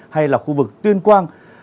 hay là khu vực tuyên quang